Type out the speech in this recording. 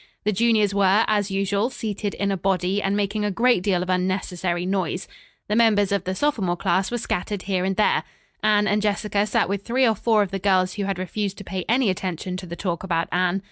The juniors were, as usual, seated in a body and making a great deal of unnecessary noise. The members of the sophomore class were scattered here and there. Anne and Jessica sat with three or four of the girls who had refused to pay any attention to the talk about Anne.